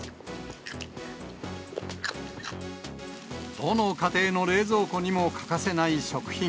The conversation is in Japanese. どの家庭の冷蔵庫にも欠かせない食品。